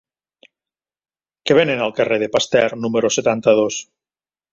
Què venen al carrer de Pasteur número setanta-dos?